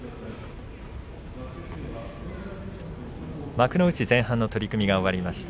幕内前半の取組が終わりました。